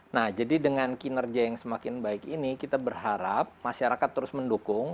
nah jadi dengan kinerja yang semakin baik ini kita berharap masyarakat terus mendukung